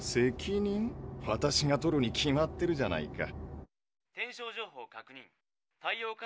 私が取るに決まってるじゃないか。